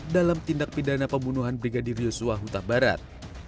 dalam tindak pidana pembunuhan brigadir joshua hutabarat